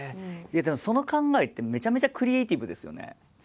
その考えってめちゃめちゃクリエイティブですよね。